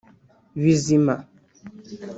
bizima